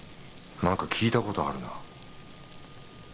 なんか聞いたことあるな